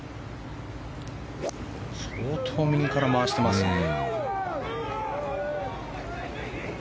相当右から回してますね。